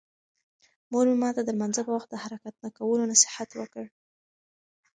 مور مې ماته د لمانځه په وخت د حرکت نه کولو نصیحت وکړ.